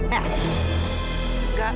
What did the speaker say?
jangan deket deket aku al